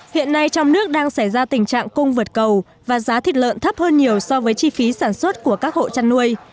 hiện nay trong nước đang xảy ra tình trạng cung vượt cầu và giá thịt lợn thấp hơn nhiều so với chi phí sản xuất của các hộ chăn nuôi